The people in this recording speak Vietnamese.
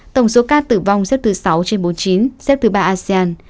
tổng số ca tử vong xếp thứ sáu trên bốn mươi chín xếp thứ ba asean